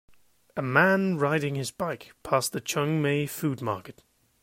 A man rides his bike past the Chung May Food Market